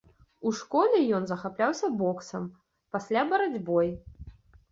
У школе ён захапляўся боксам, пасля барацьбой.